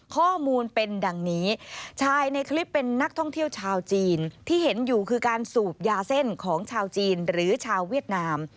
ข้อมูลเป็นดังนี้ชายในคลิปเป็นนักท่องเที่ยวชาวจีนที่เห็นอยู่คือการสูบยาเส้นของชาวจีนหรือชาวเวียดนาม